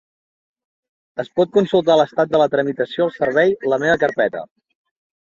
Es pot consultar l'estat de la tramitació al servei La meva carpeta.